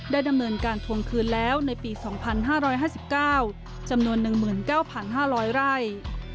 ดำเนินการทวงคืนแล้วในปี๒๕๕๙จำนวน๑๙๕๐๐ไร่